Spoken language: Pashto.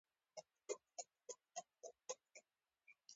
ژبه د تعلیم بنسټ دی.